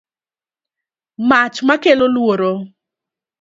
mach ma kelo luoro